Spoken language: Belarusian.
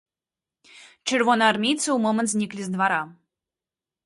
Чырвонаармейцы ў момант зніклі з двара.